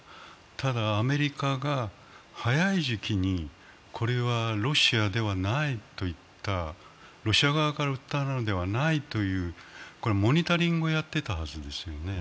ただアメリカが早い時期にこれはロシアではないと言った、ロシア側から撃ったのではないという、これ、モニタリングをやっていたはずですよね。